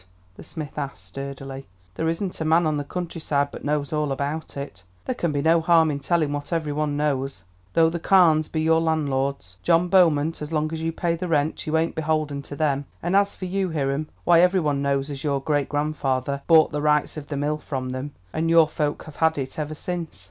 the smith asked, sturdily. "There isn't a man on the country side but knows all about it. There can be no harm in telling what every one knows. Though the Carnes be your landlords, John Beaumont, as long as you pay the rent you ain't beholden to them; and as for you, Hiram, why every one knows as your great grandfather bought the rights of the mill from them, and your folk have had it ever since.